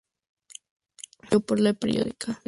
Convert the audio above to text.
Está dirigido por el periodista Guillermo Rodríguez.